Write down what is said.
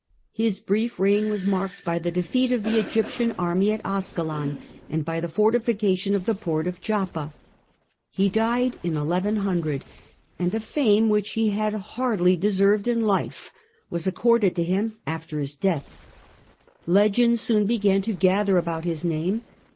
His brief reign was marked by the defeat of the Egyptian army at Ascalon and by the Battle of fortification of the port of Joppa. He died in 1100, and August' a fame which he had hardly deserved in life was accorded ^^^^ to him after his death. Legends soon began to gather about his name.